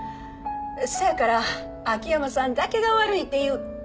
そやから秋山さんだけが悪いっていう。